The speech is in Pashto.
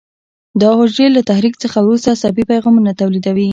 دا حجرې له تحریک څخه وروسته عصبي پیغامونه تولیدوي.